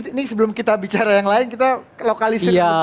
ini sebelum kita bicara yang lain kita lokalisir